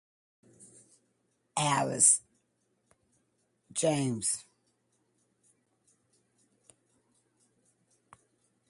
Most pyrotechnic applications that formerly used chlorates now use the more stable perchlorates instead.